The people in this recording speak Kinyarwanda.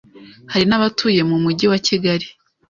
hari n'abatuye mu mujyi wa Kigali